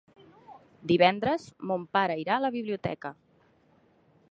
Divendres mon pare irà a la biblioteca.